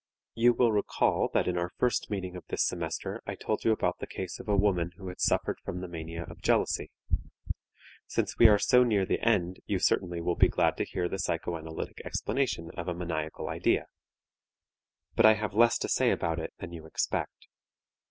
You will recall that in our first meeting of this semester I told you about the case of a woman who suffered from the mania of jealousy. Since we are so near the end you certainly will be glad to hear the psychoanalytic explanation of a maniacal idea. But I have less to say about it than you expect.